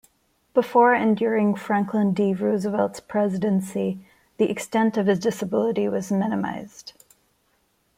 Before and during Franklin D. Roosevelt's presidency, the extent of his disability was minimized.